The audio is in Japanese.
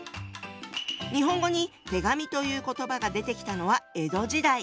日本語に「手紙」という言葉が出てきたのは江戸時代。